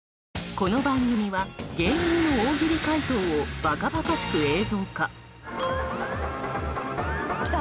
この番組は芸人の大喜利回答をバカバカしく映像化！来た。